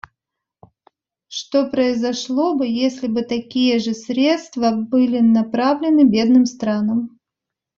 Что произошло бы, если бы такие же средства были направлены бедным странам?